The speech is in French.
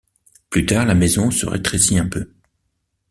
Plus tard la maison se rétrécit un peu.